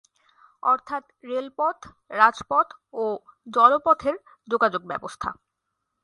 অর্থাৎ রেলপথ, রাজপথ ও জলপথের যোগাযোগ ব্যবস্থা।